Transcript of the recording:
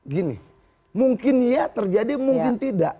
gini mungkin ya terjadi mungkin tidak